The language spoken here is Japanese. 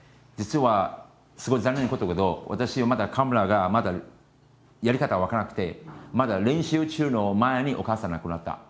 実はすごい残念なことだけど私はまだカメラがまだやり方が分からなくてまだ練習中の前にお母さんが亡くなった。